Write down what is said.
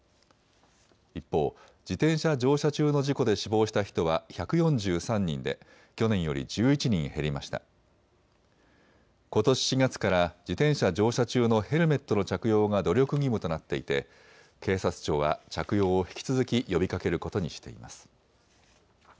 一方、自転車乗車中の事故で死亡した人は１４３人で去年より１１人減りました。ことし４月から自転車乗車中のヘルメットの着用が努力義務となっていて警察庁は着用を引き続き呼びかけることにしています。